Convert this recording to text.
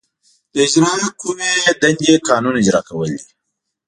د اجرائیه قوې دندې قانون اجرا کول دي.